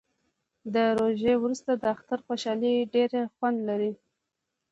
د روژې وروسته د اختر خوشحالي ډیر خوند لري